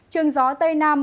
trường gió tây nam